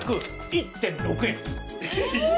１．６円。